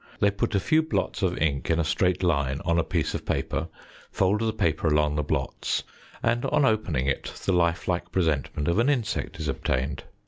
They put a few blots of ink in a straight line on a piece of paper, fold the paper along the blots, and on opening it the lifelike presentment of an insect is obtained.